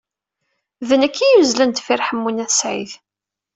D nekk ay yuzzlen deffir Ḥemmu n At Sɛid.